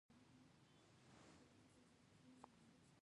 غوماشې د وچو سیمو نه کمې وي.